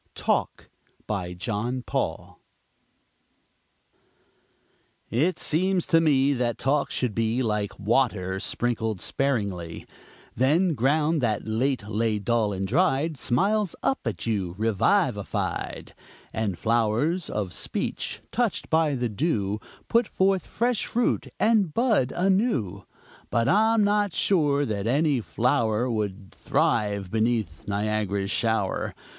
TALK BY JOHN PAUL It seems to me that talk should be, Like water, sprinkled sparingly; Then ground that late lay dull and dried Smiles up at you revivified, And flowers of speech touched by the dew Put forth fresh root and bud anew. But I'm not sure that any flower Would thrive beneath Niagara's shower!